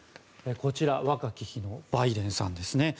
こちら若き日のバイデンさんですね。